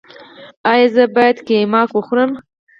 ایا زه باید قیماق وخورم؟